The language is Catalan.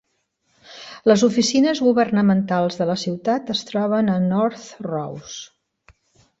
Les oficines governamentals de la ciutat es troben a North Rose.